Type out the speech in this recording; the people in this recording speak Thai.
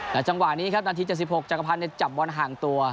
แต่จังหวะนี้ครับนาทีห้าสิบหกจากอภัณฑ์จะจับวนห่างตัว